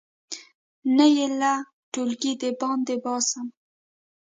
نه یې له ټولګي د باندې باسم.